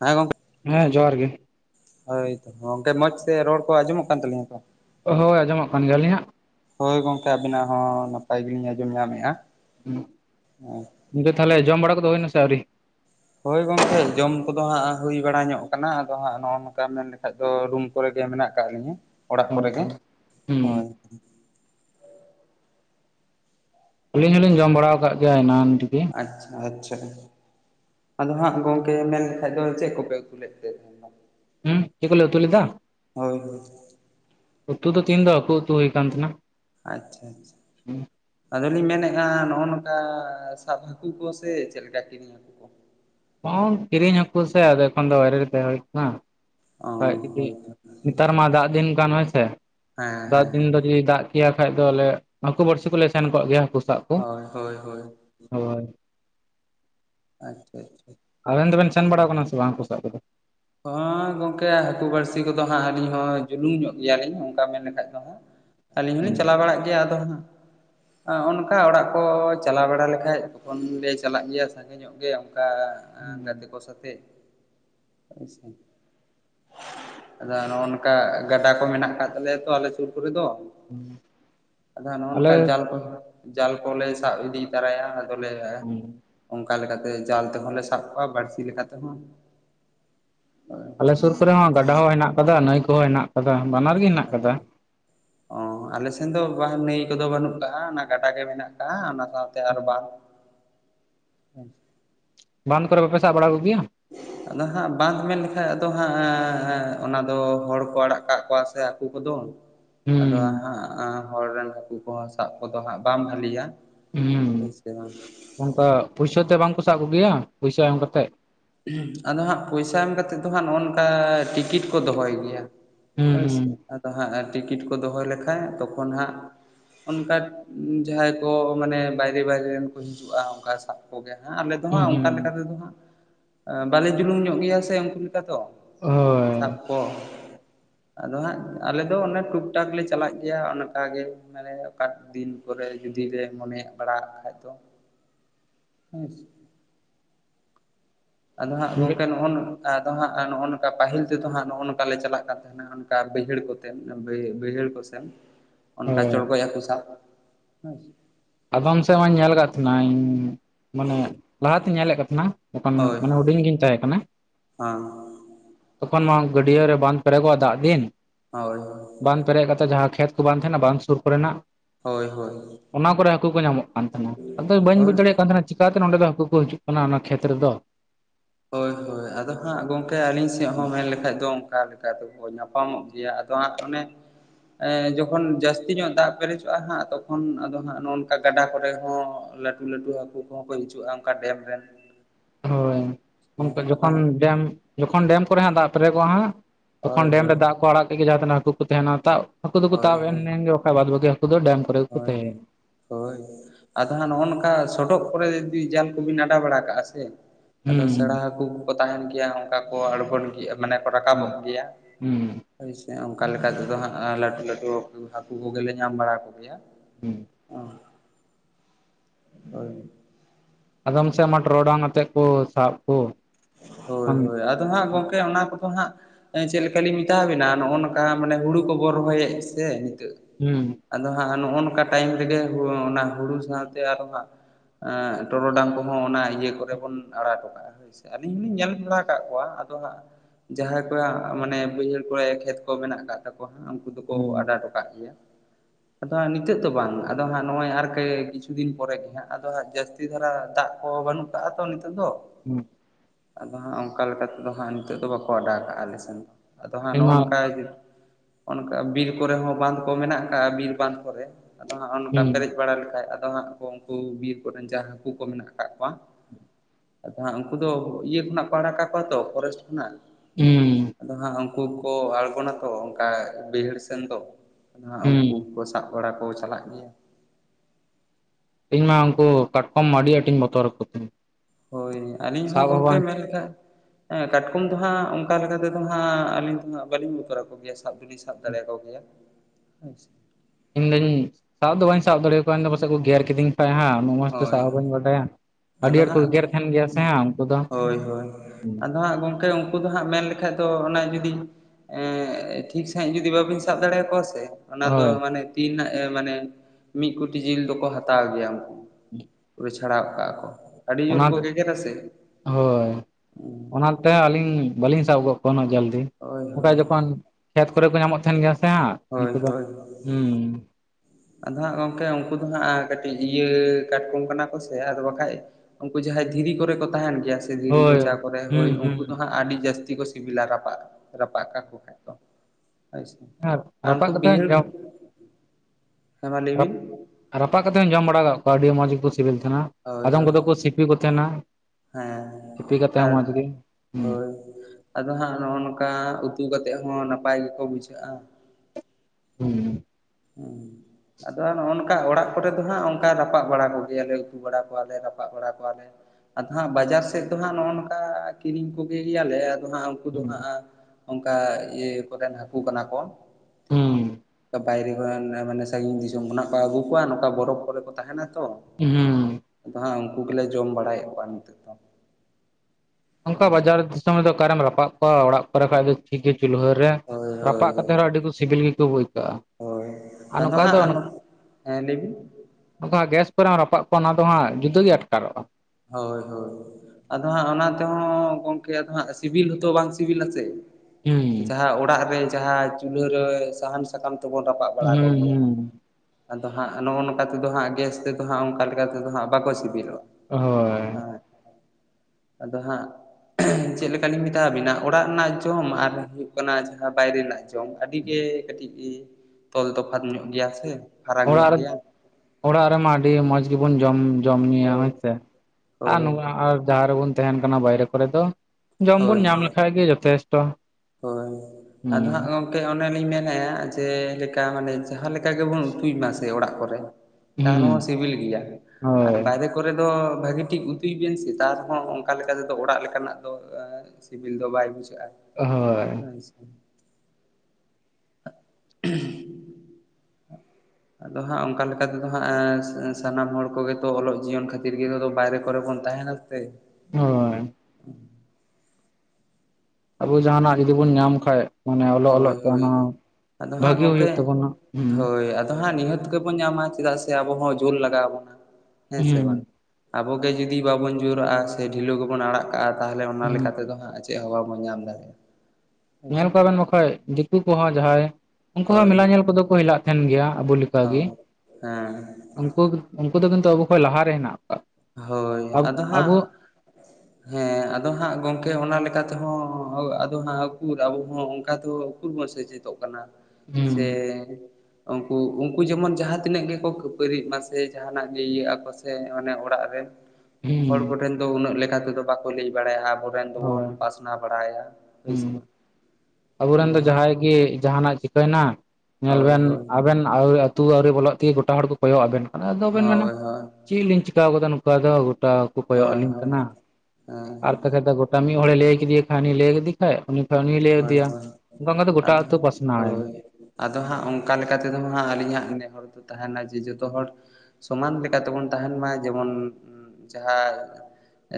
ᱦᱮᱸ ᱜᱚᱝᱠᱮ ᱾ ᱦᱮᱸ ᱡᱚᱦᱟᱨ ᱜᱮ ᱾ ᱦᱳᱭ ᱛᱚ ᱜᱚᱢᱠᱮ ᱢᱚᱡᱽ ᱛᱮ ᱨᱚᱲ ᱠᱚ ᱟᱸᱡᱚᱢᱚᱜ ᱠᱟᱱ ᱛᱟᱹᱞᱤᱧᱟ ᱛᱚ? ᱦᱳᱭ ᱟᱸᱡᱚᱢᱚᱜ ᱠᱟᱱ ᱜᱮᱭᱟ, ᱟᱞᱤᱧᱟᱜ? ᱦᱳᱭ ᱜᱚᱝᱠᱮ ᱟᱵᱤᱱᱟᱜ ᱦᱚᱸ ᱱᱟᱯᱟᱭ ᱜᱮᱞᱤᱧ ᱟᱸᱡᱚᱢ ᱧᱟᱢᱮᱜᱼᱟ ᱾ ᱩᱸᱜ ᱱᱤ ᱫᱚ ᱛᱟᱦᱞᱮ ᱡᱚᱢ ᱵᱟᱲᱟ ᱠᱚᱫᱚ ᱦᱩᱭᱱᱟ ᱥᱮ ᱟᱹᱣᱨᱤ? ᱦᱳᱭ ᱜᱚᱝᱠᱮ ᱡᱚᱢ ᱠᱚᱫᱚ ᱦᱟᱸᱜ ᱦᱩᱭ ᱵᱟᱲᱟ ᱧᱚᱜ ᱟᱠᱟᱱᱟ ᱾ᱟᱫᱚ ᱦᱟᱸᱜ ᱱᱚᱜᱼᱚ ᱱᱚᱝᱠᱟ ᱢᱮᱱ ᱞᱮᱠᱷᱟᱡ ᱫᱚ ᱨᱩᱢ ᱠᱚᱨᱮ ᱜᱮ ᱢᱮᱱᱟᱜ ᱟᱠᱟᱫ ᱞᱤᱧᱟᱹ᱾ ᱚᱲᱟᱜ ᱚ ᱠᱚᱨᱮ ᱜᱮ ᱦᱩᱸ ᱦᱳᱭ ᱾ ᱟᱹᱞᱤᱧ ᱦᱚᱞᱤᱧ ᱡᱚᱢ ᱵᱟᱲᱟᱣ ᱠᱟᱫ ᱜᱮᱭᱟ ᱮᱱᱟᱱ ᱨᱮᱜᱮ ᱾ ᱟᱪᱪᱷᱟ ᱟᱪᱪᱷᱟ, ᱟᱫᱚ ᱦᱟᱸᱜ ᱜᱚᱢᱠᱮ ᱢᱮᱱ ᱞᱮᱠᱷᱟᱡ ᱫᱚ ᱪᱮᱫ ᱠᱚᱯᱮ ᱩᱛᱩ ᱞᱮᱫ ᱛᱮ? [inaudible] ᱩᱸᱜ ᱪᱮᱜ ᱠᱚᱞᱮ ‌ᱩᱛᱩ ᱞᱮᱫᱟ? ᱦᱳᱭ ᱦᱳᱭ, ᱩᱛᱩ ᱫᱚ ᱛᱤᱦᱤᱧ ᱫᱚ ᱦᱟᱹᱠᱩ ᱩᱛᱩ ᱦᱩᱭ ᱠᱟᱱ ᱛᱟᱦᱮᱱᱟ ᱾ ᱟᱪᱪᱷᱟ ᱟᱪᱪᱷᱟ ᱾ ᱟᱫᱚᱞᱤᱧ ᱢᱮᱱᱮᱜᱼᱟ ᱱᱚᱜᱼᱚ ᱱᱚᱝᱠᱟ ᱥᱟᱵ ᱦᱟᱹᱠᱩ ᱠᱚ ᱥᱮ ᱪᱮᱫ ᱞᱮᱠᱟ ᱠᱤᱨᱤᱧ ᱦᱟᱹᱠᱩ ᱠᱚ? ᱵᱟᱝ ᱠᱤᱨᱤᱧ ᱦᱟᱠᱩ ᱥᱮ ᱟᱫᱚ ᱮᱠᱷᱚᱱ ᱫᱚ ᱵᱟᱭᱨᱮ ᱨᱮ ᱛᱟᱦᱮᱸ ᱦᱩᱭᱩᱜ ᱠᱟᱱᱟ, ᱚ ᱵᱟᱠᱷᱟᱡ ᱡᱩᱫᱤ ᱦᱳᱭ ᱱᱮᱛᱟᱨ ᱢᱟ ᱫᱟᱜ ᱫᱤᱱ ᱠᱟᱱ ᱦᱳᱭ ᱥᱮ, ᱦᱮᱸ ᱫᱟᱜ ᱦᱮᱸ ᱫᱤᱱ ᱫᱚ ᱡᱩᱫᱤ ᱫᱟᱜ ᱠᱮᱭᱟ ᱠᱷᱟᱡ ᱫᱚᱞᱮ ᱦᱟᱹᱠᱩ ᱵᱟᱹᱲᱥᱤ ᱠᱚᱞᱮ ᱥᱮᱱ ᱠᱚᱜ ᱜᱮᱭᱟ ᱦᱟᱹᱠᱩ ᱥᱟᱵ ᱾ ᱦᱳᱭ ᱦᱳᱭ ᱦᱳᱭ ᱾ ᱦᱳᱭ ᱾ ᱟᱪᱪᱷᱟ ᱟᱪᱪᱷᱟ ᱾ ᱟᱵᱮᱱ ᱫᱚ ᱵᱮᱱ ᱥᱮᱱ ᱵᱟᱲᱟᱣ ᱠᱟᱱᱟ ᱥᱮ ᱵᱟᱝ ᱦᱟᱹᱠᱩ ᱥᱟᱵ ᱠᱚᱫᱚ? ᱦᱚᱸ ᱜᱚᱝᱠᱮ ᱦᱟᱹᱠᱩ ᱵᱟᱹᱲᱥᱤ ᱠᱚᱫᱚ ᱦᱟᱸᱜ ᱟᱹᱞᱤᱧ ᱦᱚᱸ ᱡᱩᱞᱩᱝ ᱧᱚᱜ ᱜᱮᱭᱟᱞᱤᱧ ᱚᱱᱠᱟ ᱢᱮᱱ ᱞᱮᱠᱷᱟᱡ ᱫᱚ ᱾ [unintelligible] ᱟᱹᱞᱤᱧ ᱦᱚᱞᱤᱧ ᱪᱟᱞᱟᱣ ᱵᱟᱲᱟᱜ ᱜᱮᱭᱟ ᱟᱫᱚ ᱦᱟᱸᱜ ᱾ ᱚᱱᱠᱟ ᱚᱲᱟᱜ ᱠᱚ ᱪᱟᱞᱟᱣ ᱵᱟᱲᱟ ᱞᱮᱠᱷᱟᱡ ᱛᱚᱠᱷᱚᱱ ᱞᱮ ᱪᱟᱞᱟᱜ ᱜᱮᱭᱟ ᱥᱟᱸᱜᱮ ᱧᱚᱜ ᱜᱮ ᱚᱱᱠᱟ ᱜᱟᱛᱮ ᱠᱚ ᱥᱟᱛᱮ ᱦᱳᱭ ᱥᱮ ᱾ ᱟᱫᱚ ᱦᱟᱸᱜ ᱱᱚᱜᱼᱚ ᱱᱚᱝᱠᱟ ᱜᱟᱰᱟ ᱠᱚ ᱢᱮᱱᱟᱜ ᱟᱠᱟᱫ ᱛᱟᱞᱮᱭᱟ ᱛᱚ ᱟᱞᱮ ᱥᱩᱨ ᱠᱚᱨᱮ ᱫᱚ ᱦᱩᱸ ᱾ ᱟᱫᱚ ᱦᱟᱸᱜ ᱱᱚᱜᱼᱚ ᱟᱞᱮ ᱱᱚᱝᱠᱟ ᱡᱟᱞ ᱠᱚ ᱡᱟᱞ ᱠᱚᱞᱮ ᱥᱟᱵ ᱤᱫᱤ ᱛᱟᱨᱟᱭᱟ ᱾ ᱫᱚᱞᱮ ᱚᱱᱠᱟ ᱞᱮᱠᱟ ᱛᱮ ᱡᱟᱞ ᱛᱮᱦᱚᱸ ᱞᱮ ᱥᱟᱵ ᱠᱚᱣᱟ ᱵᱟᱹᱲᱥᱤ ᱞᱮᱠᱟ ᱛᱮᱦᱚᱸ ᱾ ᱟᱞᱮ ᱥᱩᱨ ᱠᱚᱨᱮ ᱦᱚᱸ ᱜᱟᱰᱟ ᱦᱚᱸ ᱦᱮᱱᱟᱜ ᱟᱠᱟᱫᱟ, ᱱᱟᱹᱭ ᱠᱚᱦᱚᱸ ᱦᱮᱱᱟᱜ ᱟᱠᱟᱫᱟ ᱵᱟᱱᱟᱨ ᱜᱮ ᱦᱮᱱᱟᱜ ᱠᱟᱫᱟ ᱾ ᱚᱸ ᱟᱞᱮ ᱥᱮᱱ ᱫᱚ ᱵᱟᱝ ᱱᱟᱹᱭ ᱠᱚᱫᱚ ᱵᱟᱹᱱᱩᱜ ᱠᱟᱜᱼᱟ ᱚᱱᱟ ᱜᱟᱰᱟ ᱜᱮ ᱢᱮᱱᱟᱜ ᱠᱟᱜᱼᱟ ᱚᱱᱟ ᱥᱟᱶᱛᱮ ᱟᱨ ᱵᱟᱸᱫ ᱵᱟᱸᱫ ᱠᱚᱨᱮ ᱵᱟ ᱯᱮ ᱥᱟᱵ ᱵᱟᱲᱟ ᱠᱚᱜᱮᱭᱟ? ᱟᱫᱚ ᱦᱟᱸᱜ ᱵᱟᱸᱫ ᱢᱮᱱ ᱞᱮᱠᱷᱟᱡ ᱟᱫᱚ ᱦᱟᱸᱜ ᱮᱸᱻ ᱚᱱᱟ ᱫᱚ ᱦᱚᱲ ᱠᱚ ᱟᱲᱟᱜ ᱠᱟᱜ ᱠᱚᱣᱟ ᱥᱮ ᱾ ᱦᱟᱹᱠᱩ ᱠᱚᱫᱚ, ᱟᱫᱚ ᱦᱩᱸ ᱦᱟᱸᱜ ᱦᱚᱲ ᱨᱮᱱ ᱦᱟᱹᱠᱩ ᱠᱚᱦᱚᱸ ᱥᱟᱵ ᱠᱚᱫᱚ ᱦᱟᱸᱜ ᱵᱟᱝ ᱵᱷᱟᱹᱞᱤᱭᱟ ᱦᱩᱸ ᱦᱳᱭᱥᱮ ᱵᱟᱝ? ᱚᱱᱠᱟ ᱯᱚᱭᱥᱟᱹ ᱛᱮ ᱵᱟᱝ ᱠᱚ ᱥᱟᱵ ᱠᱚᱜᱮᱭᱟ ᱯᱚᱭᱥᱟ ᱮᱢ ᱠᱟᱛᱮᱜ? ᱟᱫᱚ ᱦᱟᱸᱜ ᱯᱚᱭᱥᱟ ᱮᱢ ᱠᱟᱛᱮᱫ ᱫᱚ ᱦᱟᱸᱜ ᱱᱚᱜ-ᱚ ᱱᱚᱝᱠᱟ ᱴᱤᱠᱤᱴ ᱠᱚ ᱫᱚᱦᱚᱭ ᱜᱮᱭᱟ ᱾ ᱦᱩᱸ ᱦᱩᱸ ᱦᱳᱭᱥᱮ, ᱟᱫᱚ ᱦᱟᱸᱜ ᱴᱤᱠᱤᱴ ᱠᱚ ᱫᱚᱦᱚ ᱞᱮᱠᱷᱟᱡ ᱛᱚᱠᱷᱚᱱ ᱦᱟᱸᱜ ᱚᱱᱠᱟ ᱡᱟᱦᱟᱸᱭ ᱠᱚ ᱢᱟᱱᱮ ᱵᱟᱭᱨᱮ ᱵᱟᱭᱨᱮ ᱨᱮᱱ ᱠᱚ ᱦᱤᱡᱩᱜᱼᱟ ᱚᱱᱠᱟ ᱥᱟᱵ ᱠᱚᱜᱮ ᱦᱟᱸᱜ, ᱟᱞᱮ ᱫᱚ ᱦᱩᱸ ᱦᱟᱸᱜ ᱚᱱᱠᱟ ᱦᱩᱸ ᱞᱮᱠᱟ ᱛᱮᱫᱚ ᱦᱟᱸᱜ ᱵᱟᱞᱮ ᱡᱩᱞᱩᱝ ᱧᱚᱜ ᱜᱮᱭᱟ ᱥᱮ ᱩᱱᱠᱩ ᱞᱮᱠᱟ ᱫᱚ ᱾ ᱚ ᱾ ᱥᱟᱵ ᱠᱚ ᱟᱫᱚ ᱦᱟᱸᱜ ᱟᱞᱮ ᱫᱚ ᱚᱱᱮ ᱴᱩᱠ ᱴᱟᱠ ᱞᱮ ᱪᱟᱞᱟᱜ ᱜᱮᱭᱟ ᱚᱱᱠᱟᱜᱮ ᱾ ᱢᱟᱱᱮ ᱯᱷᱟᱠ ᱫᱤᱱ ᱠᱚᱨᱮ ᱡᱩᱫᱤ ᱞᱮ ᱢᱚᱱᱮᱭ ᱵᱟᱲᱟᱣᱟᱜ ᱠᱷᱟᱡ ᱫᱚ ᱾ [unintelligible] ᱦᱮᱸ ᱥᱮ ᱾ ᱟᱫᱚ ᱦᱟᱸᱜ ᱜᱚᱝᱠᱮ ᱱᱚᱜ-ᱚ ᱱᱟ ᱟᱫᱚ ᱦᱟᱸᱜ ᱱᱚᱜᱼᱚ ᱱᱚᱝᱠᱟ ᱯᱟᱦᱤᱞ ᱛᱮ ᱫᱚ ᱦᱟᱸᱜ ᱱᱚᱜᱼᱚ ᱱᱚᱝᱠᱟ ᱞᱮ ᱪᱟᱞᱟᱜ ᱠᱟᱱ ᱛᱟᱦᱮᱱᱟ ᱱᱚᱝᱠᱟ ᱵᱟᱹᱭᱦᱟᱹᱲ ᱠᱚ ᱛᱮᱫᱽ ᱵᱟᱹᱭ, ᱵᱟᱹᱭᱦᱟᱹᱲ ᱠᱚᱥᱮᱱ᱾ [unintelligible] ᱚᱱᱠᱟ ᱪᱚᱲᱜᱚᱡ ᱦᱟᱹᱠᱳ ᱥᱟᱵ ᱦᱮᱸ ᱟᱫᱚᱢ ᱥᱮᱫ ᱢᱟᱧ ᱧᱮᱞ ᱠᱟᱜ ᱛᱟᱦᱮᱸᱱᱟ ᱤᱧ, ᱢᱟᱱᱮ ᱞᱟᱦᱟᱸᱛᱤᱧ ᱧᱮᱞᱮᱫ ᱠᱚ ᱛᱟᱦᱮᱸᱱᱟ᱾ ᱛᱚᱠᱷᱚᱱ ᱦᱳᱭ ᱢᱟᱱᱮ ᱦᱩᱰᱤᱧ ᱜᱤᱧ ᱛᱟᱦᱮᱸ ᱠᱟᱱᱟ, ᱦᱮᱸ ᱛᱚᱠᱷᱚᱱ ᱢᱟ ᱜᱟᱹᱰᱭᱟᱹ ᱨᱮ ᱵᱟᱸᱫ ᱯᱮᱨᱮᱡᱚᱜ-ᱟ ᱫᱟᱜ ᱫᱤᱱ᱾ ᱦᱳᱭ ᱦᱳᱭ, ᱵᱟᱝ ᱯᱮᱨᱮᱡ ᱠᱟᱛᱮ ᱡᱟᱦᱟᱸ ᱠᱷᱮᱛ ᱠᱚ ᱵᱟᱝ ᱛᱟᱦᱮᱱᱟ ᱵᱟᱱ ᱥᱩᱨ ᱠᱚᱨᱮᱱᱟᱜ ᱾ ᱦᱳᱭ ᱦᱳᱭ᱾ ᱚᱱᱟ ᱠᱚᱨᱮ ᱦᱟᱹᱠᱳ ᱠᱚ ᱧᱟᱢᱚᱜ ᱠᱟᱱ ᱛᱟᱦᱮᱱᱟ ᱟᱫᱚ ᱵᱟᱹᱧ ᱵᱩᱡᱽ ᱦᱳᱭ ᱫᱟᱲᱮᱭᱟᱜ ᱠᱟᱱ ᱛᱟᱦᱮᱱᱟ ᱪᱤᱠᱟ ᱛᱮ ᱱᱚᱸᱰᱮ ᱫᱚ ᱦᱟᱹᱠᱳ ᱠᱚ ᱦᱤᱡᱩᱜ ᱠᱟᱱᱟ ᱚᱱᱟ ᱠᱷᱮᱛ ᱨᱮ ᱫᱚ? ᱦᱳᱭ ᱦᱳᱭ᱾ ᱟᱫᱚ ᱦᱟᱸᱜ ᱜᱚᱝᱠᱮ ᱟᱹᱞᱤᱧ ᱥᱮᱜ ᱦᱚᱸ ᱢᱮᱱ ᱞᱮᱠᱷᱟᱡ ᱫᱚ ᱚᱱᱠᱟ ᱞᱮᱠᱟ ᱛᱮᱠᱚ ᱧᱟᱯᱟᱢᱚᱜ ᱜᱮᱭᱟ ᱟᱫᱚ ᱦᱟᱸᱜ ᱚᱱᱮ ᱮᱸ ᱡᱚᱠᱷᱚᱱ ᱡᱟᱹᱥᱛᱤ ᱧᱚᱜ ᱫᱟᱜ ᱯᱮᱨᱮᱡᱚᱜᱼᱟ ᱦᱟᱸᱜ ᱛᱚᱠᱷᱚᱱ ᱟᱫᱚ ᱦᱟᱸᱜ ᱱᱚᱜ ᱱᱚᱝᱠᱟ ᱜᱟᱰᱟ ᱠᱚᱨᱮ ᱦᱚᱸ ᱞᱟᱹᱴ ᱞᱟᱹᱴᱩ ᱦᱟᱹᱠᱩ ᱠᱚᱦᱚᱸ ᱠᱚ ᱦᱤᱡᱩᱜᱼᱟ ᱚᱝᱠᱟ ᱰᱮᱢ ᱨᱮᱱ, ᱦᱳᱭ ᱦᱮᱸ ᱚᱱᱠᱟ ᱟᱫᱚ ᱡᱚᱠᱷᱚᱱ ᱰᱮᱢ, ᱡᱚᱠᱷᱚᱱ ᱰᱮᱢ ᱠᱚᱨᱮ ᱦᱟᱸᱜ ᱫᱟᱜ ᱯᱮᱨᱮᱡᱚᱜᱼᱟ ᱦᱟᱸᱜ᱾ ᱦᱳᱭ ᱛᱚᱠᱷᱚᱱ ᱰᱮᱢ ᱦᱳᱭ ᱨᱮ ᱫᱟᱜ ᱠᱚ ᱟᱲᱟᱜ ᱠᱮᱫ ᱜᱮ᱾ ᱡᱟᱦᱟ ᱛᱤᱱᱟᱹ ᱦᱟᱹᱠᱩ ᱠᱚ ᱛᱟᱦᱮᱱᱟ ᱾ᱛᱟᱵᱜ ᱦᱟᱹᱠᱩ ᱫᱚᱠᱚ ᱦᱳᱭ ᱛᱟᱵ ᱮᱱ ᱦᱳᱭ ᱞᱮᱱᱜᱮ ᱵᱟᱠᱟᱱ ᱵᱟᱫ ᱵᱟᱹᱜᱤ ᱠᱚᱫᱚ ᱰᱮᱢ ᱠᱚᱨᱮ ᱜᱮᱠᱚ ᱦᱳᱭ, ᱛᱟᱦᱮᱸᱭᱮᱱᱟ ᱦᱳᱭ ᱟᱫᱚ ᱦᱟᱸᱜ ᱱᱚᱜᱼᱚ ᱱᱚᱝᱠᱟ ᱥᱚᱰᱚᱜ ᱠᱚᱨᱮ ᱡᱩᱫᱤ ᱡᱟᱞ ᱠᱚᱵᱤᱱ ᱟᱰᱟ ᱵᱟᱲᱟ ᱠᱟᱜᱼᱟ ᱥᱮ, ᱟᱫᱚ ᱥᱮᱬᱟ ᱦᱩᱸ ᱦᱟᱹᱠᱩ ᱠᱚ ᱠᱚ ᱛᱟᱦᱮᱱ ᱜᱮᱭᱟ ᱚᱝᱠᱟ ᱠᱚ ᱟᱬᱜᱚᱱ ᱜᱮᱭᱟ ᱾ ᱢᱟᱱᱮ ᱠᱚ ᱨᱟᱠᱟᱵᱚᱜ ᱜᱮᱭᱟ᱾ ᱦᱩᱸ ᱦᱳᱭ ᱥᱮ ᱚᱝᱠᱟ ᱞᱮᱠᱟ ᱛᱮᱫᱚ ᱦᱟᱸᱜ ᱞᱟᱹᱴᱩ ᱞᱟᱹᱴᱩ ᱦᱟᱹᱠᱩ ᱠᱚᱜᱮᱞᱮ ᱧᱟᱢ ᱵᱟᱲᱟ ᱠᱚᱜᱮᱭᱟ᱾ ᱦᱩᱸ, [inaudible] ᱚᱭ᱾ ᱟᱫᱚᱢ ᱥᱮ ᱢᱟ ᱴᱚᱨᱚᱰᱟᱝ ᱟᱛᱮᱜ ᱠᱚ ᱥᱟᱵ ᱠᱳ ᱾ ᱦᱳᱭ ᱦᱳᱭ ᱟᱫᱚ ᱦᱟᱸᱜ ᱜᱚᱝᱠᱮ ᱚᱱᱟ ᱠᱚᱫᱚ ᱦᱟᱸᱜ [unintelligible] ᱪᱮᱜ ᱞᱮᱠᱟᱞᱤᱧ ᱢᱮᱛᱟᱣ ᱵᱤᱱᱟ ᱱᱚᱜᱼᱚ ᱱᱚᱝᱠᱟ ᱢᱟᱱᱮ ᱦᱩᱲᱩ ᱠᱚᱵᱚᱱ ᱨᱚᱦᱚᱭᱮᱫ ᱥᱮ ᱱᱤᱛᱚᱜ ᱦᱩᱸ, ᱟᱫᱚ ᱦᱟᱸᱜ ᱱᱚᱜᱼᱚ ᱱᱚᱝᱠᱟ ᱴᱟᱭᱤᱢ ᱨᱮ ᱜᱮ ᱚᱱᱟ ᱦᱩᱲᱩ ᱥᱟᱶᱛᱮ ᱟᱨᱚ ᱦᱟᱸᱜ, ᱟᱻ ᱴᱚᱨᱚᱰᱟᱝ ᱠᱚᱦᱚᱸ ᱚᱱᱟ ᱤᱭᱟᱹ ᱠᱚᱨᱮ ᱵᱚᱱ ᱟᱲᱟᱣ ᱦᱚᱴᱚ ᱠᱟᱜ-ᱟ᱾ ᱟᱹᱞᱤᱧ ᱞᱤᱧ ᱧᱮᱞ ᱵᱟᱲᱟ ᱠᱟᱜ ᱠᱚᱣᱟ ᱟᱫᱚ ᱦᱟᱸᱜ ᱡᱟᱦᱟᱸᱭ ᱠᱚᱭᱟᱜ ᱢᱟᱱᱮ ᱵᱟᱹᱭᱦᱟᱹᱲ ᱠᱚᱨᱮ ᱠᱷᱮᱛ ᱠᱚ ᱢᱮᱱᱟᱜ ᱠᱟᱜ ᱛᱟᱠᱚᱣᱟ ᱦᱟᱸᱜ, ᱩᱱᱠᱩ ᱫᱚ ᱠᱚ ᱦᱩᱸ ᱟᱰᱟᱰ ᱟᱠᱟᱫ ᱜᱮᱭᱟ᱾ ᱟᱫᱚ ᱦᱟᱸᱜ ᱱᱤᱛᱳᱜ ᱫᱚ ᱵᱟᱝ᱾ ᱟᱫᱚ ᱦᱟᱸᱜ ᱱᱚᱜᱼᱚᱭ ᱟᱨᱠᱤ ᱠᱤᱪᱷᱩ ᱫᱤᱱ ᱯᱚᱨᱮᱜᱮ ᱜᱮ ᱦᱟᱸᱜ ᱟᱫᱚ ᱦᱟᱸᱜ ᱡᱟᱹᱥᱛ ᱛᱤ ᱫᱷᱟᱨᱟ ᱫᱟᱜ ᱠᱚ ᱵᱟᱹᱱᱩᱜ ᱠᱟᱜᱼᱟ ᱛᱚ ᱱᱤᱛᱚᱜ ᱫᱚ᱾ ᱦᱩᱸᱻ ᱟᱫᱚ ᱦᱟᱸᱜ ᱚᱝᱠᱟ ᱞᱮᱠᱟ ᱛᱮᱫᱚ ᱦᱟᱸᱜ ᱱᱤᱛᱚᱜ ᱫᱚ ᱵᱟᱠᱚ ᱟᱰᱟᱣ ᱠᱟᱜᱼᱟ ᱟᱞᱮ ᱥᱮᱱ ᱾ ᱟᱫᱚ ᱦᱟᱸᱜ ᱱᱚᱜᱼᱚ ᱤᱧᱢᱟ ᱱᱚᱝᱠᱟ ᱡᱩ ᱚᱱᱠᱟ ᱵᱤᱨ ᱠᱚᱨᱮ ᱦᱚᱸ ᱵᱟᱸᱫ ᱠᱚ ᱢᱮᱱᱟᱜ ᱠᱟᱜ-ᱟ ᱵᱤᱨ ᱵᱟᱸᱫ ᱠᱚᱨᱮ ᱟᱫᱚ ᱦᱟᱸᱜ ᱚᱱᱠᱟ ᱦᱩᱸ ᱯᱮᱨᱮᱡ ᱵᱟᱲᱟ ᱞᱮᱠᱷᱟᱡ ᱟᱫᱚ ᱟᱫᱚ ᱦᱟᱸᱜ ᱠᱚ ᱩᱱᱠᱩ ᱵᱤᱨ ᱠᱚᱨᱮᱱ ᱡᱟᱦᱟᱸ ᱦᱟᱠᱩ ᱠᱚ ᱢᱮᱱᱟᱜ ᱟᱠᱟᱫ ᱠᱚᱣᱟ᱾ [inaudible] ᱟᱫᱚ ᱦᱟᱸᱜ ᱩᱱᱠᱩ ᱫᱚ ᱤᱭᱟᱹ ᱠᱷᱚᱱᱟᱜ ᱠᱚ ᱟᱲᱟᱜ ᱠᱟᱜ ᱠᱚᱣᱟ ᱛᱚ ᱯᱷᱚᱨᱮᱥᱴ ᱠᱷᱚᱱᱟᱜ᱾ ᱦᱩᱸᱻ, ᱟᱫᱚ ᱦᱟᱸᱜ ᱩᱱᱠᱩ ᱠᱚ ᱟᱬᱜᱚᱱᱟ ᱛᱚ ᱚᱱᱠᱟ ᱵᱟᱹᱭᱦᱟᱹᱲ ᱥᱮᱱ ᱫᱚ᱾ ᱦᱟᱸᱜ ᱩᱱᱠᱩ ᱦᱩᱸ ᱠᱚ ᱥᱟᱵ ᱵᱟᱲᱟ ᱠᱚ ᱪᱟᱞᱟᱜ ᱜᱮᱭᱟ ᱾ ᱤᱧ ᱢᱟ ᱩᱱᱠᱩ ᱠᱟᱴᱠᱚᱢ ᱟᱹᱰᱤ ᱟᱸᱴᱤᱧ ᱵᱚᱛᱚᱨ ᱟᱠᱚ ᱛᱟᱦᱮᱸ᱾ ᱦᱳᱭ ᱟᱹᱞᱤᱧ ᱦᱚᱸ ᱜᱚᱝᱠᱮ ᱢᱮᱱ ᱞᱮᱠᱷᱟᱡ ᱦᱮᱸ ᱠᱟᱴᱠᱚᱢ ᱫᱚ ᱦᱟᱸᱜ ᱚᱱᱠᱟ ᱞᱮᱠᱟ ᱛᱮᱫᱚ ᱦᱟᱸᱜ ᱟᱹᱞᱤᱧ ᱫᱚ ᱦᱟᱸᱜ ᱵᱟᱹᱞᱤᱧ ᱵᱚᱛᱚᱨᱟ ᱠᱚᱜᱮᱭᱟ ᱥᱮ᱾ ᱥᱟᱵ ᱫᱚᱞᱤᱧ ᱥᱟᱵ ᱫᱟᱲᱮᱭᱟᱠᱚ ᱜᱮᱭᱟ ᱾ [unintelligible] ᱤᱧ ᱫᱚᱧ ᱥᱟᱵ ᱫᱚ ᱵᱟᱹᱧ ᱥᱟᱵ ᱫᱟᱲᱮᱭᱟ ᱠᱚᱣᱟ ᱤᱧ ᱫᱚ ᱯᱟᱥᱮᱡ ᱠᱚ ᱜᱮᱨ ᱠᱤᱫᱤᱧ ᱠᱷᱟᱡ ᱦᱟᱸᱜ ᱩᱱᱟᱹᱜ ᱢᱚᱡᱽ ᱛᱮ ᱦᱳᱭ ᱥᱟᱵ ᱦᱚᱸ ᱵᱟᱹᱧ ᱵᱟᱰᱟᱭᱟ ᱾ ᱟᱫᱚ ᱦᱟᱸᱜ, ᱦᱳᱭ ᱦᱳᱭ ᱦᱩᱸ ᱟᱫᱚ ᱦᱟᱸᱜ ᱜᱚᱢᱠᱮ ᱩᱱᱠᱩ ᱫᱚ ᱦᱟᱸᱜ ᱢᱮᱱ ᱞᱮᱠᱷᱟᱡ ᱫᱚ ᱚᱱᱟ ᱡᱩᱫᱤ ᱮᱸ ᱴᱷᱤᱠ ᱥᱟᱺᱦᱤᱡ ᱡᱩᱫᱤ ᱵᱟᱵᱤᱱ ᱥᱟᱵ ᱫᱟᱲᱮᱭᱟᱠᱚᱣᱟ ᱥᱮ ᱚᱱᱟ ᱫᱚ ᱦᱳᱭ ᱢᱟᱱᱮ ᱛᱤ ᱨᱮᱱᱟᱜ ᱢᱟᱱᱮ ᱢᱤᱫ ᱠᱩᱴᱤ ᱡᱤᱞ ᱫᱚᱠᱚ ᱦᱟᱛᱟᱣ ᱜᱮᱭᱟ ᱩᱱᱠᱩ ᱾ [unintelligible] ᱯᱩᱨᱟᱹ ᱪᱷᱟᱲᱟᱣ ᱜᱚᱫ ᱠᱟᱜᱼᱟ ᱠᱚ ᱟᱹᱰᱤ ᱡᱳᱨ ᱠᱚ ᱚᱱᱟᱛᱮ ᱜᱮᱜᱮᱨᱟ ᱥᱮ ᱾ ᱚᱱᱟ ᱛᱮ ᱟᱹᱞᱤᱧ ᱵᱟᱹᱞᱤᱧ ᱥᱟᱵ ᱜᱚᱫ ᱠᱚᱣᱟ ᱩᱱᱟᱹᱜ ᱡᱚᱞᱫᱤ, ᱦᱳᱭ ᱵᱟᱠᱷᱟᱡ ᱡᱚᱠᱷᱚᱱ ᱠᱷᱮᱛ ᱠᱚᱨᱮ ᱠᱚ ᱧᱟᱢᱚᱜ ᱛᱟᱸᱦᱮᱱ ᱜᱮᱭᱟ ᱥᱮ ᱦᱟᱸᱜ ᱦᱳᱭ ᱦᱳᱭ ᱩᱱᱠᱩ ᱫᱚ ᱦᱳᱭ ᱦᱩᱸ ᱾ ᱟᱫᱚ ᱦᱟᱸᱜ ᱜᱚᱢᱠᱮ ᱩᱱᱠᱩ ᱫᱚ ᱦᱟᱸᱜ ᱠᱟᱹᱴᱤᱡ ᱤᱭᱟᱹ ᱠᱟᱴᱠᱚᱢ ᱠᱟᱱᱟ ᱠᱚ ᱥᱮ ᱟᱫᱚ ᱵᱟᱠᱷᱟᱡ ᱾ ᱩᱱᱠᱩ ᱡᱟᱦᱟᱸᱭ ᱫᱷᱤᱨᱤ ᱠᱚᱨᱮ ᱠᱚ ᱛᱟᱸᱦᱮᱱ ᱜᱮᱭᱟ ᱥᱮ ᱫᱷᱤᱨᱤ ᱦᱳᱭ ᱠᱚᱪᱟ ᱠᱚᱨᱮ ᱦᱩᱸ ᱦᱳᱭ ᱦᱩᱸ ᱩᱱᱠᱩ ᱫᱚ ᱦᱟᱸᱜ ᱟᱹᱰᱤ ᱡᱟᱹᱥᱛᱤ ᱠᱚ ᱥᱤᱵᱤᱞᱟ ᱨᱟᱯᱟᱜ ᱨᱟᱯᱟᱜ ᱠᱟᱠᱚ ᱠᱷᱟᱡ ᱫᱚ ᱦᱳᱭᱥᱮ ᱟᱨ ᱨᱟᱯᱟᱜ ᱩᱱᱠᱩ ᱠᱟᱛᱮ ᱦᱚᱸᱧ ᱵᱤᱦᱟᱹᱲ ᱡᱚᱢ ᱦᱮᱸ ᱢᱟ ᱞᱟᱹᱭᱵᱤᱱ᱾ ᱨᱟᱯᱟᱜ ᱠᱟᱛᱮᱫ ᱦᱚᱧ ᱡᱚᱢ ᱵᱟᱲᱟ ᱠᱟᱜ ᱠᱚᱣᱟ ᱟᱹᱰᱤ ᱢᱚᱸᱡᱽ ᱜᱮᱠᱚ ᱥᱤᱵᱤᱞ ᱛᱟᱸᱦᱮᱱᱟ᱾ ᱦᱳᱭ ᱟᱫᱚᱢ ᱠᱚᱫᱚ ᱦᱳᱭ ᱠᱚ ᱥᱤᱯᱤ ᱠᱚ ᱛᱟᱸᱦᱮᱱᱟ᱾ ᱦᱮᱸ ᱟᱨ ᱦᱩᱸ ᱦᱳᱭ᱾ ᱟᱫᱚ ᱦᱟᱸᱜ ᱱᱚᱜᱼᱚ ᱱᱚᱝᱠᱟ ᱩᱛᱩ ᱠᱟᱛᱮᱫ ᱦᱚᱸ ᱱᱟᱯᱟᱭ ᱜᱮᱠᱚ ᱵᱩᱡᱷᱟᱹᱜᱼᱟ᱾ ᱦᱩᱸ᱾ ᱦᱩᱸ᱾ ᱟᱫᱚᱜ ᱱᱚᱜᱼᱚ ᱱᱚᱝᱠᱟ ᱚᱲᱟᱜ ᱠᱚᱨᱮ ᱫᱚ ᱦᱟᱸᱜ ᱚᱱᱠᱟ ᱨᱟᱯᱟᱜ ᱵᱟᱲᱟ ᱠᱚᱜᱮᱭᱟᱞᱮ ᱩᱛᱩ ᱵᱟᱲᱟ ᱠᱚᱣᱟᱞᱮ ᱨᱟᱯᱟᱜ ᱵᱟᱲᱟ ᱠᱚᱣᱟᱞᱮ᱾ ᱟᱫᱚ ᱦᱟᱸᱜ ᱵᱟᱡᱟᱨ ᱥᱮᱫ ᱫᱚ ᱦᱟᱸᱜ ᱱᱚᱜᱼᱚ ᱱᱚᱝᱠᱟ ᱠᱤᱨᱤᱧ ᱠᱚᱜᱮ ᱜᱮᱭᱟᱞᱮ ᱟᱫᱚ ᱦᱟᱸᱜ ᱩᱱᱠᱩ ᱫᱚ ᱦᱟᱸᱜ ᱚᱱᱠᱟ ᱤᱭᱟᱹ ᱠᱚᱨᱮᱱ ᱦᱟᱹᱠᱩ ᱠᱟᱱᱟ ᱠᱚ᱾ ᱦᱩᱸ᱾ ᱵᱟᱭᱨᱮ ᱠᱷᱚᱱ ᱢᱟᱱᱮ ᱥᱟᱺᱜᱤᱧ ᱫᱤᱥᱚᱢ ᱠᱷᱚᱱᱟᱜ ᱠᱚ ᱟᱹᱜᱩ ᱠᱚᱣᱟ ᱱᱚᱝᱠᱟ ᱵᱚᱨᱚᱯ ᱠᱚᱨᱮ ᱠᱚ ᱛᱟᱸᱦᱮᱱᱟ ᱛᱚ᱾ ᱦᱩᱸ᱾ ᱟᱫᱚ ᱩᱱᱠᱩ ᱜᱮᱞᱮ ᱡᱚᱢ ᱵᱟᱲᱟᱭᱮᱫ ᱠᱚᱣᱟ ᱱᱤᱛᱚᱜ ᱫᱚ᱾ ᱚᱱᱠᱟ ᱵᱟᱡᱟᱨ ᱫᱤᱥᱚᱢ ᱨᱮ ᱚᱠᱟᱨᱮᱢ ᱨᱟᱯᱟᱜ ᱠᱚᱣᱟ ᱚᱲᱟᱜ ᱠᱚᱨᱮ ᱠᱷᱟᱡ ᱫᱚ ᱴᱷᱤᱠ ᱜᱮᱭᱟ ᱪᱩᱞᱦᱟᱹ ᱨᱮ, ᱦᱳᱭ ᱦᱳᱭ ᱨᱟᱯᱟᱜ ᱠᱟᱛᱮᱫ ᱦᱳᱭ ᱨᱮᱦᱚᱸ ᱟᱹᱰᱤ ᱠᱚ ᱥᱤᱵᱤᱞ ᱜᱮᱠᱚ ᱟᱹᱭᱠᱟᱹᱜᱼᱟ᱾ ᱦᱳᱭ ᱟᱨ ᱟᱫᱚ ᱱᱚᱝᱠᱟ ᱦᱟᱸᱜ ᱦᱮᱸ ᱞᱟᱹᱭ ᱵᱤᱱ᱾ ᱫᱚ ᱦᱟᱸᱜ ᱜᱮᱥ ᱠᱚᱨᱮᱢ ᱨᱟᱯᱟᱜ ᱠᱚᱣᱟ ᱚᱱᱟ ᱫᱚ ᱦᱟᱸᱜ ᱡᱩᱫᱟᱹ ᱜᱮ ᱟᱴᱠᱟᱨᱚᱜᱼᱟ᱾ ᱦᱳᱭ ᱦᱳᱭ᱾ ᱟᱫᱚ ᱦᱟᱸᱜ ᱚᱱᱟ ᱛᱮᱦᱚᱸ ᱜᱚᱢᱠᱮ ᱟᱫᱚ ᱦᱟᱸᱜ ᱥᱤᱵᱤᱞ ᱦᱚᱸᱛᱚ ᱵᱟᱝ ᱥᱤᱵᱤᱞᱟᱥᱮ᱾ ᱦᱩᱸ᱾ ᱡᱟᱦᱟᱸ ᱚᱲᱟᱜ ᱨᱮ, ᱡᱟᱦᱟᱸ ᱪᱩᱞᱦᱟᱹ ᱨᱮ, ᱥᱟᱦᱟᱱ ᱥᱟᱠᱟᱢ ᱛᱮᱵᱚᱱ ᱨᱟᱯᱟᱜ ᱵᱟᱲᱟ ᱦᱩᱸ ᱠᱚᱜᱮᱭᱟ᱾ ᱦᱩᱸ ᱟᱫᱚ ᱦᱟᱸᱜ ᱱᱚᱜᱼᱚ ᱱᱚᱝᱠᱟ ᱛᱮᱫᱚ ᱦᱟᱸᱜ ᱜᱮᱥ ᱛᱮᱫᱚ ᱦᱟᱸᱜ ᱚᱱᱠᱟ ᱞᱮᱠᱟᱛᱮᱫᱚ ᱦᱟᱸᱜ ᱵᱟᱠᱚ ᱥᱤᱵᱤᱞᱚᱜᱼᱟ᱾ ᱦᱚ᱾ ᱟᱫᱚ ᱦᱟᱸᱜ ᱪᱮᱫ ᱞᱮᱠᱟᱞᱤᱧ ᱢᱮᱛᱟ ᱟᱵᱤᱱᱟ ᱚᱲᱟᱜ ᱨᱮᱱᱟᱜ ᱡᱚᱢ ᱟᱨ ᱦᱩᱭᱩᱜ ᱠᱟᱱᱟ ᱡᱟᱦᱟᱸ ᱵᱟᱭᱨᱮ ᱨᱮᱱᱟᱜ ᱡᱚᱝ ᱟᱹᱰᱤ ᱜᱮ ᱠᱟᱹᱴᱤᱡ ᱛᱚᱞ ᱛᱚᱯᱷᱟᱛ ᱧᱚᱜ ᱜᱮᱭᱟ ᱥᱮ᱾ ᱯᱷᱟᱨᱟᱠ ᱧᱚᱜ ᱚᱲᱟᱜ ᱨᱮ ᱜᱮᱭᱟ ᱚᱲᱟᱜ ᱨᱮᱢᱟ ᱟᱹᱰᱤ ᱢᱚᱡᱽ ᱜᱮᱵᱚᱱ ᱡᱚᱢ᱾ ᱡᱚᱢ ᱧᱩᱭᱟ ᱦᱳᱭ ᱦᱳᱭᱥᱮ ᱟᱨ ᱦᱳᱭ ᱱᱚᱣᱟ ᱟᱨ ᱡᱟᱦᱟᱸ ᱨᱮᱵᱚᱱ ᱛᱟᱸᱦᱮᱱ ᱠᱟᱱᱟ ᱵᱟᱭᱨᱮ ᱠᱚᱨᱮ ᱫᱚ ᱡᱚᱢ ᱵᱚᱱ ᱦᱳᱭ ᱧᱟᱢ ᱞᱮᱠᱷᱟᱡ ᱜᱮ ᱡᱚᱛᱷᱮᱥᱴᱚ᱾ ᱦᱳᱭ ᱟᱫᱚ ᱦᱩᱸ ᱦᱟᱸᱜ ᱜᱚᱢ ᱜᱚᱢᱠᱮ ᱚᱱᱮᱞᱤᱧ ᱢᱮᱱ ᱮᱜ ᱟ ᱡᱮᱞᱮᱠᱟ ᱢᱟᱱᱮ ᱡᱟᱦᱟᱸ ᱞᱮᱠᱟ ᱜᱮᱵᱚᱱ ᱩᱛᱩᱭ ᱢᱟ ᱥᱮ ᱚᱲᱟᱜ ᱠᱚᱨᱮ ᱛᱟᱦᱟᱱᱳ ᱦᱩᱸ ᱦᱚᱸ ᱥᱤᱵᱤᱞ ᱜᱮᱭᱟ᱾ ᱟᱨ ᱦᱳᱭ ᱵᱟᱭᱨᱮ ᱠᱚᱨᱮ ᱫᱚ ᱵᱷᱟᱹᱜᱤ ᱴᱷᱤᱠ ᱩᱛᱩᱭ ᱵᱮᱱ ᱥᱮ ᱛᱟᱣ ᱨᱮᱦᱚᱸ ᱚᱱᱠᱟ ᱞᱮᱠᱟ ᱛᱮᱫᱚ ᱚᱲᱟᱜ ᱞᱮᱠᱟᱱᱟᱜ ᱫᱚ ᱥᱤᱵᱤᱞ ᱫᱚ ᱵᱟᱭ ᱵᱩᱡᱷᱟᱹᱜᱼᱟ᱾ ᱚᱦᱚ᱾ ᱦᱳᱭ ᱥᱮ [unintelligible] [inaudible] ᱟᱫᱚ ᱦᱟᱸᱜ ᱚᱱᱠᱟ ᱞᱮᱠᱟᱛᱮᱫᱚ ᱦᱟᱸᱜ ᱮ ᱥᱟᱱᱟᱢ ᱦᱚᱲ ᱠᱚᱜᱮ ᱛᱚ ᱚᱞᱚᱜ ᱡᱤᱭᱚᱱ ᱠᱷᱟᱹᱛᱤᱨ ᱜᱮ ᱵᱟᱭᱨᱮ ᱠᱚᱨᱮ ᱵᱚᱱ ᱛᱟᱦᱮᱸ ᱱᱟᱥᱛᱮ᱾ ᱦᱳᱭ᱾ ᱟᱵᱚ ᱡᱟᱦᱱᱟᱜ ᱡᱩᱚᱫᱤ ᱵᱚᱱ ᱧᱟᱢ ᱠᱷᱟᱡ᱾ ᱢᱟᱱᱮ ᱚᱞᱚᱜ ᱦᱳᱭ ᱚᱞᱚᱜ ᱛᱮ ᱦᱳᱭ ᱚᱱᱟ ᱟᱫᱚ ᱦᱟᱸᱜ ᱵᱷᱟᱜᱤ ᱜᱚᱝᱠᱮ ᱦᱩᱭᱩᱜ ᱛᱟᱵᱚᱱᱟ ᱦᱩᱸ᱾ ᱦᱳᱭ ᱟᱫᱚ ᱦᱟᱸᱜ ᱱᱤᱦᱟᱹᱛ ᱜᱮᱵᱚᱱ ᱧᱟᱢᱟ ᱪᱮᱫᱟᱜ ᱥᱮ ᱟᱵᱚ ᱦᱚᱸ ᱡᱳᱩᱞ ᱞᱟᱜᱟᱣ ᱟᱵᱚᱱᱟ ᱦᱮᱸ ᱥᱮ ᱦᱩᱸ ᱵᱟᱝ? ᱟᱵᱚᱜᱮ ᱡᱩᱫᱤ ᱵᱟᱵᱚᱱ ᱡᱳᱨᱟᱜᱼᱟ, ᱥᱮ ᱰᱷᱤᱞᱟᱹ ᱜᱮᱵᱚᱱ ᱟᱲᱟᱜ ᱠᱟᱜᱼᱟ, ᱛᱟᱦᱚᱞᱮ ᱚᱱᱟ ᱞᱮᱠᱟ ᱛᱮᱫᱚ ᱦᱟᱸᱜ ᱪᱮᱫ ᱦᱚᱸ ᱵᱟᱵᱚᱱ ᱧᱟᱢ ᱫᱟᱲᱮᱭᱟᱜᱼᱟ ᱾ ᱧᱮᱞ ᱠᱚᱣᱟᱵᱮᱱ ᱵᱟᱠᱷᱷᱟ ᱫᱤᱠᱩ ᱠᱚᱦᱚᱸ ᱡᱟᱦᱟᱸᱭ ᱩᱱᱠᱩ ᱦᱚᱸ ᱢᱮᱞᱟ ᱧᱮᱞ ᱠᱚᱫᱚ ᱠᱚ ᱦᱮᱞᱟᱜ ᱛᱟᱦᱮᱱ ᱜᱮᱭᱟ, ᱟᱵᱚ ᱞᱮᱠᱟ ᱚ, ᱦᱮᱸ ᱩᱱᱠᱩ ᱩᱱᱠᱩ ᱫᱚ ᱠᱤᱱᱛᱩ ᱟᱵᱚ ᱠᱷᱚᱡ ᱞᱟᱦᱟᱨᱮ ᱦᱮᱱᱟᱜ ᱠᱚᱣᱟ ᱾ ᱦᱳᱭ, ᱟᱫᱚ ᱦᱟᱸᱜ [inaudible] ᱦᱮᱸ ᱟᱫᱚ ᱦᱟᱸᱜ ᱜᱚᱝᱠᱮ ᱚᱱᱟ ᱞᱮᱠᱟ ᱛᱮᱦᱚᱸ ᱟᱫᱚ ᱦᱟᱸᱜ ᱩᱠᱩᱨ ᱟᱵᱚ ᱦᱚᱸ ᱚᱱᱠᱟ ᱫᱚ ᱩᱨᱢᱚ ᱥᱮᱪᱮᱫᱚᱜ ᱠᱟᱱᱟ ᱥᱮ ᱦᱩᱸ ᱩᱱᱠᱩ ᱩᱱᱠᱩ ᱡᱮᱢᱚᱱ ᱡᱟᱦᱟᱸ ᱛᱤᱹᱜ ᱜᱮᱠᱚ ᱠᱷᱟᱹᱯᱟᱹᱨᱤᱜ ᱢᱟ ᱥᱮᱮ ᱡᱟᱦᱟᱱᱟᱜ ᱜᱮ ᱤᱭᱟᱹᱜᱼᱟ, ᱥᱮ ᱚᱱᱮ ᱚᱲᱟᱜ ᱦᱩᱸ ᱦᱚᱲ ᱠᱚᱴᱷᱮᱱ ᱫᱚ ᱩᱱᱟᱹ ᱞᱮᱠᱟ ᱛᱮᱫᱚ ᱵᱟᱠᱚ ᱞᱟᱹᱭ ᱵᱟᱲᱟᱭᱟ ᱾ ᱟᱵᱮᱱ ᱫᱚᱵᱚᱱ ᱦᱳᱭ ᱯᱟᱥᱱᱟᱣ ᱵᱟᱲᱟᱭᱟᱭ, ᱦᱩᱸ ᱥᱮ ᱵᱟᱝ ᱟᱵᱚᱨᱮᱱ ᱟᱫᱚ ᱫᱚ ᱦᱟᱸᱜ ᱡᱟᱦᱟᱸᱭ ᱜᱮ ᱡᱟᱦᱟᱱᱟᱜ ᱪᱤᱠᱟᱹᱭᱮᱱᱟ ᱧᱮᱞ ᱦᱳᱭ ᱵᱮᱱ ᱦᱳᱭ ᱟᱵᱮᱱ ᱟᱣᱨᱤ ᱟᱹᱛᱩ ᱟᱹᱣᱨᱤ ᱵᱚᱞᱚᱜ ᱛᱮᱜᱮ ᱜᱚᱴᱟ ᱦᱚᱲ ᱠᱚ ᱠᱚᱭᱚᱜ ᱟᱵᱮᱱ ᱠᱟᱱᱟ, ᱟᱫᱚᱵᱮᱱ ᱢᱮᱱᱟ ᱦᱳᱭ ᱦᱳᱭ ᱦᱳᱭ ᱪᱮᱫ ᱞᱤᱧ ᱪᱤᱠᱟᱹ ᱟᱠᱟᱫᱟ ᱱᱚᱝᱠᱟ ᱫᱚ ᱜᱚᱴᱟ ᱠᱚ ᱠᱚᱭᱚᱜ ᱟᱹᱞᱤᱧ ᱦᱳᱭ ᱠᱟᱱᱟ ᱦᱳᱭ ᱾ ᱟᱨ ᱛᱚᱠᱷᱟᱱ ᱫᱚ ᱜᱚᱴᱟ ᱢᱤᱫ ᱦᱚᱲᱮ ᱞᱟᱹᱭ ᱠᱮᱫ ᱫᱤᱭᱮ ᱠᱷᱟᱱ ᱩᱱᱤ ᱞᱟᱹᱭ ᱠᱮᱫᱮ ᱠᱷᱟ ᱩᱱᱤ ᱞᱟᱹᱭ ᱦᱳᱭ ᱦᱳᱭ ᱚᱱᱠᱟ ᱚᱱᱠᱟᱛᱮ ᱜᱚᱴᱟ ᱟᱫᱚ ᱟᱹᱛᱩ ᱯᱟᱥᱱᱟᱣ ᱮᱱᱟ ᱦᱳᱭ ᱾ ᱟᱫᱚ ᱦᱟᱸᱜ ᱚᱱᱠᱟ ᱞᱮᱠᱟ ᱛᱮᱫᱚ ᱦᱟᱸᱜ ᱟᱹᱞᱤᱧ ᱦᱟᱸᱜ ᱱᱮᱦᱚᱨ ᱫᱚ ᱛᱟᱦᱮᱱᱟ ᱡᱮ ᱡᱚᱛᱚ ᱦᱚᱲ ᱥᱚᱢᱟᱱ ᱞᱮᱠᱟ ᱛᱮᱵᱚᱱ ᱛᱟᱦᱮᱱ ᱢᱟ, ᱡᱮᱢᱚᱱ ᱡᱟᱦᱟᱸ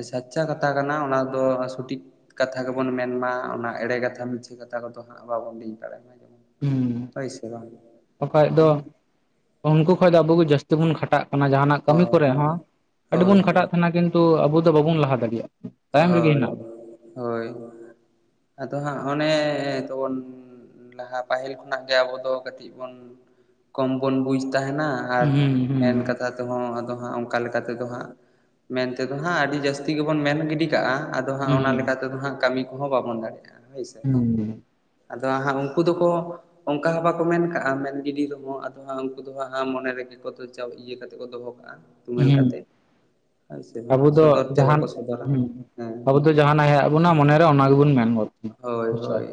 ᱥᱟᱨᱪᱟ ᱠᱟᱛᱷᱟ ᱠᱟᱱᱟ ᱚᱱᱟ ᱫᱚ ᱥᱚᱴᱷᱤᱠ ᱠᱟᱛᱷᱟ ᱜᱮᱵᱚᱱ ᱢᱮᱱᱢᱟ, ᱚᱱᱟ ᱮᱲᱮ ᱠᱟᱛᱷᱟ [unintelligible] ᱢᱪᱷᱟᱹ ᱠᱟᱛᱷᱟ ᱠᱚᱫᱚ ᱦᱟᱸᱜ ᱵᱟᱵᱚᱱ ᱞᱟᱹᱭ ᱫᱲᱟᱭᱟᱢ ᱢᱟ ᱡᱮᱢᱚᱱ ᱾ ᱦᱩᱸ, ᱚᱠᱚᱭ ᱟᱜ ᱫᱚ ᱟᱫᱚ ᱩᱱᱠᱩ ᱠᱷᱚᱡ ᱫᱚ ᱟᱵᱚ ᱡᱟᱹᱥᱛᱤ ᱵᱚᱱ ᱠᱷᱟᱴᱟᱜ ᱠᱟᱱᱟ᱾ ᱡᱟᱦᱟᱱᱟᱜ ᱠᱟᱹᱢᱤ ᱦᱳᱭ ᱠᱚᱨᱮ ᱦᱚᱸ ᱟᱹᱰᱤ ᱦᱳᱭ ᱵᱚᱱ ᱠᱷᱟᱴᱟᱜ ᱠᱟᱱᱟ ᱠᱤᱱᱛᱩ ᱾ ᱛᱚ ᱟᱵᱚ ᱫᱚ ᱵᱟᱵᱩᱱ ᱞᱟᱦᱟ ᱫᱟᱲᱮᱭᱟᱜᱼᱟ ᱾ ᱦᱳᱭ ᱦᱳᱭ, ᱟᱫᱚ ᱦᱟᱸᱜ ᱚᱱᱮ ᱛᱚᱵᱚᱱ ᱞᱟᱦᱟ ᱯᱟᱹᱦᱤᱞ ᱠᱷᱚᱱᱟᱜ ᱜᱮ ᱟᱵᱚ ᱫᱚ ᱠᱟᱹᱴᱤᱡ ᱵᱩᱱ ᱠᱚᱢ ᱵᱚᱱ ᱵᱩᱡ ᱛᱟᱦᱮᱱᱟ ᱾ ᱟᱨ ᱦᱩᱸ ᱦᱩᱸ ᱢᱮᱱ ᱠᱟᱛᱷᱟ ᱛᱮᱦᱚᱸ ᱟᱫᱚ ᱦᱟᱸᱜ ᱚᱱᱠᱟ ᱞᱮᱠᱟᱛᱮᱫᱚ ᱦᱟᱸᱜ ᱢᱮᱱᱛᱮᱫᱚ ᱦᱟᱸᱜ ᱟᱹᱰᱤ ᱡᱟᱹᱥᱛᱤ ᱜᱮᱵᱚᱱ ᱢᱮᱱ ᱜᱤᱰᱤ ᱠᱟᱜᱼᱟ ᱟᱫᱚ ᱦᱟᱸᱜ ᱦᱩᱸ ᱚᱱᱟ ᱞᱮᱠᱟ ᱛᱮᱫᱚ ᱦᱟᱸᱜ ᱠᱟᱹᱢᱤ ᱠᱚᱦᱚᱸ ᱵᱟᱵᱚᱱ ᱫᱟᱲᱮᱭᱟᱜᱼᱟ ᱾ ᱦᱳᱭᱥᱮ, ᱦᱩᱸ ᱟᱫᱚ ᱦᱟᱸᱜ ᱩᱱᱠᱩ ᱫᱚᱠᱚ ᱚᱱᱠᱟ ᱠᱚ ᱢᱮᱱ ᱠᱟᱜᱼᱟ, ᱢᱮᱱ ᱜᱤᱰᱤ ᱨᱮᱦᱚᱸ ᱟᱫᱚ ᱦᱟᱸᱜ ᱩᱱᱠᱩ ᱫᱚ ᱦᱟᱸᱜ ᱢᱚᱱᱮ ᱨᱮᱜᱮ ᱠᱚ ᱤᱭᱟᱹ ᱠᱟᱛᱮ ᱠᱚ ᱫᱚᱦᱚ ᱠᱟᱜᱼᱟ ᱾ ᱛᱩᱢᱮᱞ ᱦᱩᱸ ᱠᱟᱛᱮᱜ, ᱦᱳᱭ ᱥᱮ ᱵᱟᱝ ᱟᱵᱚ ᱫᱚ ᱥᱚᱫᱚᱨ ᱛᱮ ᱡᱟᱦᱟᱱ ᱵᱟᱠᱚ ᱥᱚᱫᱚᱨᱟ ᱦᱩᱸ ᱦᱮᱸ ᱾ ᱟᱵᱚ ᱡᱟᱦᱟᱱᱟᱜ ᱦᱮᱡᱼᱟ ᱵᱚᱱᱟ ᱢᱚᱱᱮᱨᱮ ᱚᱱᱟ ᱜᱮᱵᱚᱱ ᱢᱮᱱ ᱜᱚᱫ ᱾ ᱦᱳᱭ ᱦᱳᱭ,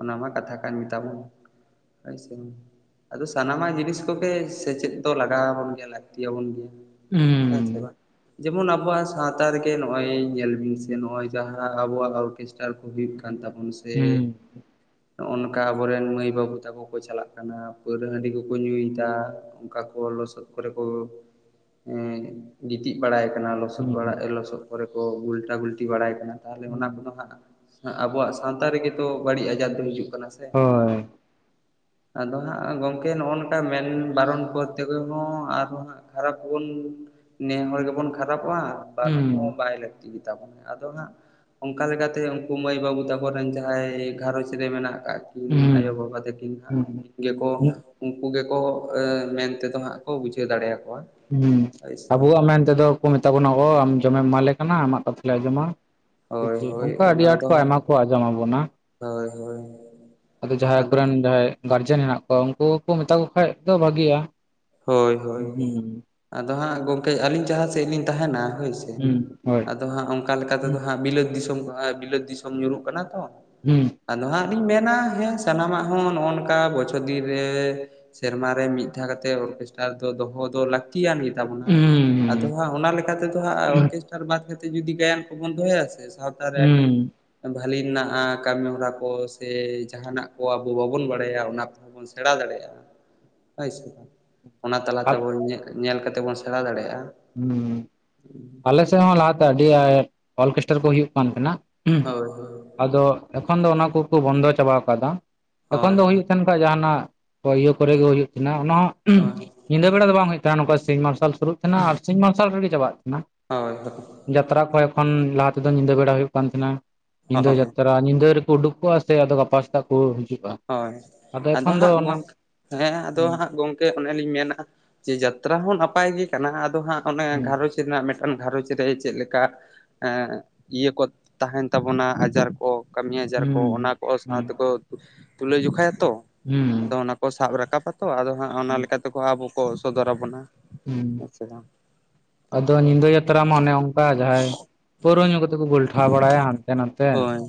ᱚᱱᱟ ᱢᱟ ᱠᱟᱛᱷᱟ ᱠᱟᱱ ᱜᱮᱛᱟᱵᱚᱱ ᱾ ᱦᱳᱭ ᱥᱮ, ᱟᱫᱚ ᱥᱟᱱᱟᱢᱟᱜ ᱡᱤᱱᱤᱥ ᱠᱚᱜᱮ ᱥᱮᱪᱮᱫ ᱫᱚ ᱞᱟᱜᱟᱣ ᱟᱵᱚᱱ ᱜᱮᱭᱟ, ᱞᱟᱹᱠᱛᱤᱭᱟᱵᱚᱱ ᱜᱮᱭᱟ ᱾ ᱦᱮᱸ᱾ ᱟᱪᱪᱷᱟ ᱵᱟᱝ ᱡᱮᱢᱚᱱ ᱟᱵᱚᱣᱟᱜ ᱥᱟᱶᱛᱟ ᱨᱮᱜᱮ ᱱᱚᱜᱼᱚᱭ, ᱧᱮᱞ ᱵᱤᱱ ᱥᱮ ᱱᱚᱜᱼᱚᱭ ᱡᱟᱦᱟᱸ ᱟᱵᱚᱣᱟᱜ ᱚᱨᱠᱮᱥᱴᱟᱨ ᱠᱚ ᱦᱩᱭᱩᱜ ᱠᱟᱱ ᱛᱟᱵᱚᱱ ᱥᱮ ᱦᱩᱸ ᱾ ᱱᱚᱜ ᱱᱚᱝᱠᱟ ᱟᱵᱚᱨᱮᱱ ᱢᱟᱹᱭ ᱵᱟᱹᱵᱩ ᱛᱟᱠᱚ ᱠᱚ ᱪᱟᱞᱟᱜ ᱠᱟᱱᱟ, ᱯᱟᱹᱣᱨᱟᱹ ᱦᱟᱺᱰᱤ ᱠᱚᱠᱚ ᱧᱩᱭᱮᱫᱟ ᱾ ᱚᱱᱠᱟ ᱠᱚ ᱞᱚᱥᱚᱫ ᱠᱚᱨᱮ ᱠᱚ ᱜᱤᱛᱤᱡ ᱵᱟᱲᱟᱭ ᱠᱟᱱᱟ ᱾ ᱞᱚᱥᱚᱫ ᱵᱟ ᱦᱩᱸ ᱞᱚᱥᱚᱫ ᱠᱚᱨᱮ ᱠᱚ ᱜᱷᱩᱞᱴᱟ ᱜᱷᱩᱞᱴᱤ ᱵᱟᱲᱟᱭ ᱠᱟᱱᱟ, ᱛᱟᱦᱚᱞᱮ ᱚᱱᱟ ᱦᱩᱸ ᱠᱚᱫᱚ ᱦᱟᱸᱜ ᱟᱵᱚᱣᱟᱜ ᱥᱟᱶᱛᱟ ᱨᱮᱜᱮ ᱛᱚ ᱵᱟᱹᱲᱤᱡ ᱟᱡᱟᱨ ᱫᱚ ᱦᱤᱡᱩᱜ ᱠᱟᱱᱟ ᱥᱮ ᱾ ᱦᱳᱭ ᱟᱫᱚ ᱦᱟᱸᱜ ᱜᱚᱝᱠᱮ ᱱᱚᱜᱼᱚ ᱱᱚᱝᱠᱟ ᱢᱮᱱ ᱵᱟᱨᱚᱱ ᱯᱚᱫ ᱛᱮᱜᱮ ᱦᱚᱸ ᱟᱨᱚᱸ ᱦᱟᱸᱜ ᱠᱷᱟᱨᱟᱯ ᱵᱚᱱ ᱱᱮᱦᱚᱲ ᱜᱮᱵᱚᱱ ᱠᱷᱟᱨᱟᱯᱚᱜᱼᱟ ᱾ ᱵᱟᱨᱚᱱ ᱦᱚᱸ ᱦᱩᱸ ᱵᱟᱭ ᱞᱟᱹᱠᱛᱤ ᱜᱮᱛᱟᱵᱚᱱᱟ ᱟᱫᱚ ᱦᱟᱸᱜ ᱚᱱᱠᱟ ᱞᱮᱠᱟᱛᱮ ᱩᱱᱠᱩ ᱢᱟᱹᱭ ᱵᱟᱹᱵᱩ ᱛᱟᱠᱚᱚᱨᱮᱱ ᱡᱟᱦᱟᱸᱭ ᱜᱷᱟᱨᱚᱸᱡᱽ ᱨᱮ ᱢᱮᱱᱟᱜ ᱟᱠᱟᱫ ᱠᱤᱱ ᱦᱩᱸ ᱟᱭᱳᱵᱟᱵᱟ ᱛᱟ ᱤᱱ ᱦᱟᱸᱜ ᱦᱩᱸ ᱩᱱᱠᱤᱱ ᱜᱮᱠᱚ ᱦᱩᱸ ᱩᱱᱠᱩ ᱜᱮᱠᱚ ᱢᱮᱱᱛᱮᱫᱚ ᱦᱟᱸᱜ ᱠᱚ ᱵᱩᱡᱷᱟᱹᱣ ᱫᱟᱲᱮᱭᱟᱠᱚᱣᱟ᱾ ᱦᱩᱸ ᱦᱳᱭ ᱥᱮ ᱵᱟᱝ ᱟᱵᱚᱣᱟᱜ ᱢᱮᱱᱛᱮᱫᱚ ᱠᱚ ᱢᱮᱛᱟ ᱵᱚᱱᱟ ᱠᱚ ᱟᱢ ᱡᱚᱢᱮᱢ ᱮᱢᱟᱞᱮ ᱠᱟᱱᱟ ᱟᱢᱟᱜ ᱠᱟᱛᱷᱟ ᱞᱮ ᱟᱸᱡᱚᱢᱟ᱾ ᱦᱳᱭ ᱦᱳᱭ ᱱᱚᱝᱠᱟ ᱟᱹᱰᱤ ᱚᱱᱟ ᱟᱸᱴ ᱫᱚ ᱠᱚ ᱦᱟᱸᱜ ᱟᱭᱢᱟ ᱠᱚ ᱟᱸᱡᱚᱢ ᱟᱵᱚᱱᱟ᱾ ᱦᱳᱭ ᱦᱳᱭ᱾ ᱟᱫᱚ ᱡᱟᱦᱟᱸᱭ ᱠᱚᱨᱮᱱ ᱡᱟᱦᱟᱸᱭ ᱜᱟᱨᱡᱮᱱ ᱦᱮᱸᱱᱟᱜ ᱠᱚᱣᱟ ᱩᱱᱠᱩ ᱠᱚ ᱢᱮᱛᱟ ᱠᱚ ᱠᱷᱟᱡ ᱫᱚ ᱵᱷᱟᱜᱮᱭᱟ᱾ ᱦᱳᱭ ᱦᱳᱭ᱾ ᱟᱫᱚ ᱦᱟᱸᱜ ᱜᱚᱢᱠᱮ ᱟᱹᱞᱤᱧ ᱡᱟᱦᱟᱸ ᱥᱮᱫ ᱞᱤᱧ ᱛᱟᱦᱮᱸᱱᱟ ᱦᱳᱭ ᱥᱮ᱾ ᱦᱩᱸ ᱦᱳᱭ ᱟᱫᱚ ᱦᱟᱸᱜ ᱚᱝᱠᱟ ᱞᱮᱠᱟ ᱦᱩᱸ ᱛᱮᱫᱚ ᱦᱟᱸᱜ ᱵᱤᱞᱟᱹᱛ ᱫᱤᱥᱚᱢ ᱠᱚ ᱵᱤᱞᱟᱹᱛ ᱫᱤᱥᱚᱢ ᱧᱩᱨᱩᱜ ᱠᱟᱱᱟ ᱛᱚ, ᱦᱩᱸ᱾ ᱟᱫᱚ ᱦᱟᱸᱜ ᱞᱤᱧ ᱢᱮᱱᱟ ᱦᱮᱸ ᱥᱟᱱᱟᱢᱟᱜ ᱦᱚᱸ ᱱᱚᱜᱼᱚ ᱱᱚᱝᱠᱟ ᱵᱚᱪᱷᱚᱨ ᱫᱤᱱ ᱨᱮ ᱥᱮᱨᱢᱟᱨᱮ ᱢᱤᱫ ᱫᱷᱟᱣ ᱠᱟᱛᱮ ᱚᱨᱠᱮᱥᱴᱟᱨ ᱫᱚᱦᱚ ᱫᱚ ᱞᱟᱠ ᱛᱤᱭᱟᱱ ᱜᱮᱛᱟᱵᱚᱱᱟ ᱟᱫᱚ ᱦᱟᱸᱜ ᱚᱱᱟ ᱞᱮᱠᱟᱛᱮᱫᱚ ᱦᱟᱸᱜ ᱚᱨᱠᱮᱥᱴᱟᱨ ᱵᱟᱫ ᱠᱟᱛᱮ ᱛᱮ ᱡᱩᱫᱤ ᱜᱟᱭᱟᱱ ᱠᱚᱵᱚᱱ ᱫᱚᱦᱚᱭᱟᱥᱮ ᱥᱟᱶᱛᱟ ᱨᱮ ᱟᱹᱰᱤ ᱦᱩᱸ ᱵᱷᱟᱹᱞᱤ ᱢᱮᱱᱟᱜᱼᱟ ᱠᱟᱹᱢᱤ ᱦᱚᱨᱟ ᱠᱚ ᱥᱮ ᱡᱟᱦᱟᱸᱱᱟᱜ ᱠᱚ ᱟᱵᱚ ᱵᱟᱵᱚᱱ ᱵᱟᱲᱟᱭᱟ ᱚᱱᱟ ᱠᱚ ᱵᱚᱱ ᱥᱮᱬᱟ ᱫᱟᱲᱮᱭᱟᱜᱼᱟ ᱦᱳᱭ ᱥᱮ᱾ ᱚᱱᱟ ᱛᱟᱞᱟᱛᱮ ᱟᱵᱚ ᱧᱮᱞ ᱠᱟᱛᱮᱫ ᱵᱳᱱ ᱥᱮᱬᱟ ᱫᱟᱲᱮᱭᱟᱜᱼᱟ᱾ ᱦᱩᱸ ᱟᱞᱮ ᱥᱮᱫ ᱦᱚᱸ ᱞᱟᱦᱟᱛᱮ ᱟᱹᱰᱤ ᱟᱸᱴ ᱚᱨᱠᱮᱥᱴᱟᱨ ᱠᱚ ᱦᱩᱭᱩᱜ ᱠᱟᱱ ᱛᱟᱦᱮᱸᱱᱟ᱾ ᱦᱳᱭ ᱦᱳᱭ᱾ ᱟᱫᱚ ᱮᱠᱷᱚᱱ ᱫᱚ ᱚᱱᱟ ᱠᱚᱠᱚ ᱵᱚᱱᱫᱚ ᱪᱟᱵᱟ ᱠᱟᱫᱟ ᱮᱠᱷᱚᱱ ᱦᱳᱭ ᱫᱚ ᱦᱩᱭᱩᱜ [unintelligible] ᱠᱚᱣᱟᱜ ᱡᱟᱦᱟᱸᱱᱟᱜ ᱤᱭᱟᱹ ᱠᱚᱨᱮ ᱜᱮ ᱦᱩᱭᱩᱜ ᱠᱟᱱᱟᱱᱟ ᱚᱱᱟ ᱦᱚᱸ ᱦᱳᱭ ᱧᱤᱫᱟᱹ ᱵᱮᱲᱟ ᱫᱚ ᱵᱟᱝ ᱦᱩᱭᱩᱜ ᱛᱟᱦᱮᱸᱱᱟ ᱱᱚᱝᱠᱟ ᱥᱤᱧ ᱢᱟᱨᱥᱟᱞ ᱥᱩᱨᱩᱜ ᱛᱟᱦᱮᱸᱱᱟ ᱟᱨ ᱥᱤᱧ ᱢᱟᱨᱥᱟᱞ ᱨᱮᱜᱮ ᱪᱟᱵᱟᱜ ᱛᱟᱦᱮᱸᱱᱟ᱾ ᱦᱳᱭ ᱦᱳᱭ᱾ ᱡᱟᱛᱨᱟ ᱠᱚ ᱮᱠᱷᱚᱱ ᱞᱟᱦᱟ ᱛᱮᱫᱚ ᱧᱤᱫᱟᱹ ᱵᱮᱲᱟ ᱦᱩᱭᱩᱜ ᱠᱟᱱ ᱛᱟᱦᱮᱸᱱᱟ ᱧᱤᱫᱟᱹ ᱦᱳᱭ ᱡᱟᱛᱨᱟ ᱠᱟ ᱧᱤᱫᱟᱹ ᱨᱮᱠᱚ ᱩᱰᱩᱠᱚᱜᱼᱟ ᱥᱮ ᱟᱫᱚ ᱜᱟᱯᱟ ᱥᱮᱛᱟᱜ ᱠᱚ ᱦᱤᱡᱩᱜᱼᱟ᱾ ᱦᱳᱭ ᱟᱫᱚ ᱮᱠᱷᱚᱱ ᱫᱚ ᱦᱟᱸᱜ ᱚᱱᱟ ᱜᱚᱝ ᱦᱮᱸ ᱟᱫᱚ ᱦᱟᱸᱜ ᱜᱚᱝ ᱠᱮ ᱚᱱᱮᱞᱤᱧ ᱢᱮᱱᱟ ᱡᱮ ᱡᱟᱛᱨᱟ ᱦᱚᱸ ᱱᱟᱯᱟᱭ ᱜᱮ ᱠᱟᱱᱟ ᱟᱫᱚ ᱦᱟᱸᱜ ᱚᱱᱮ ᱜᱷᱟᱨᱚᱸᱡ ᱨᱮᱱᱟᱜ ᱢᱤᱫᱴᱟᱝ ᱜᱷᱟᱨᱚᱸᱧᱡᱽ ᱨᱮ ᱪᱮᱫ ᱞᱮᱠᱟ ᱮᱸᱜ ᱤᱭᱟᱹ ᱠᱚ ᱛᱟᱦᱮᱸᱱ ᱛᱟᱵᱚᱱᱟ ᱟᱡᱟᱨ ᱠᱚ, ᱠᱟᱹᱢᱤ ᱟᱡᱨ ᱠᱚ ᱚᱱᱟ ᱠᱚ ᱥᱟᱶᱛᱮᱠᱚ ᱛᱩᱞᱟᱹ ᱡᱚᱠᱷᱟᱭᱟ ᱛᱚ ᱟᱫᱚ ᱚᱱᱟ ᱠᱚ ᱥᱟᱵ ᱨᱟᱠᱟᱵᱟᱛᱚ ᱟᱫᱚ ᱦᱟᱸᱜ ᱚᱱᱟ ᱞᱮᱠᱟ ᱛᱮᱠᱚ ᱟᱵᱚ ᱠᱚ ᱥᱚᱫᱚᱨᱟᱵᱚᱱᱟ ᱦᱮᱸᱥᱮ ᱵᱟᱝ? ᱟᱫᱚ ᱧᱤᱫᱟᱹ ᱡᱟᱛᱨᱟ ᱢᱟ ᱚᱱᱮ ᱚᱱᱠᱟ ᱡᱟᱦᱟᱸᱭ ᱯᱟᱹᱣᱨᱟᱹ ᱧᱩ ᱠᱟᱛᱮ ᱠᱚ ᱜᱚᱞᱴᱷᱟᱣ ᱵᱟᱲᱟᱭᱟ ᱦᱟᱸᱱᱛᱮ ᱱᱟᱛᱮ, ᱦᱳᱭ